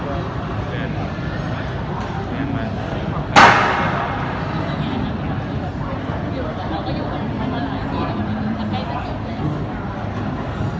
ต้องเตรียมมันต้องเตรียมความแข็ง